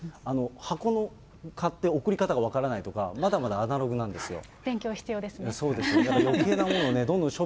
箱の、買って送り方が分からないとか、まだまだアナログなんですよ。